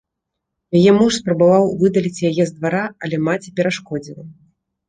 Яе муж спрабаваў выдаліць яе з двара, але маці перашкодзіла.